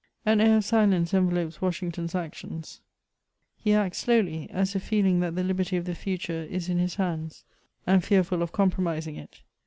An air of silence envelopes Washington's actions; he acts 258 MEMOIRS OF slowly ; as if feeling that the liberty of the fature is in his hands, and rearful of compromising it.